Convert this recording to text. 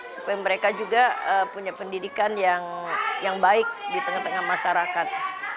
supaya mereka juga punya pendidikan yang baik di tengah tengah masyarakat